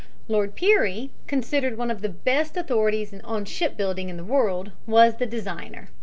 Lord Pirrie, considered one of the best authorities on shipbuilding in the world, was the designer.